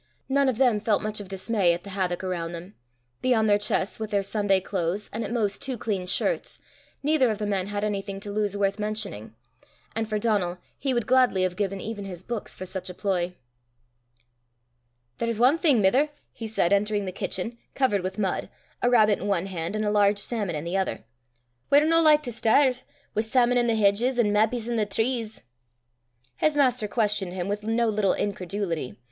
None of them felt much of dismay at the havoc around them: beyond their chests with their Sunday clothes and at most two clean shirts, neither of the men had anything to lose worth mentioning; and for Donal, he would gladly have given even his books for such a ploy. "There's ae thing, mither," he said, entering the kitchen, covered with mud, a rabbit in one hand and a large salmon in the other, "we're no like to sterve, wi' sawmon i' the hedges, an' mappies i' the trees!" His master questioned him with no little incredulity.